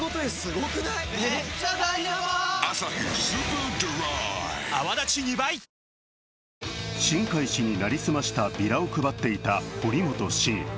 東芝新開氏に成り済ましたビラを配っていた堀本市議。